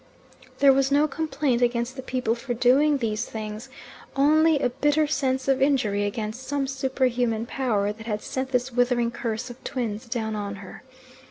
There was no complaint against the people for doing these things, only a bitter sense of injury against some superhuman power that had sent this withering curse of twins down on her.